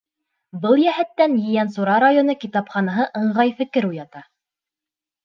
Был йәһәттән Ейәнсура районы китапханаһы ыңғай фекер уята.